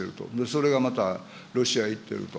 それがまたロシアへ行ってると。